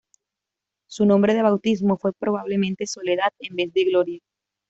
Su nombre de bautismo fue probablemente "Soledad" en vez de Gloria.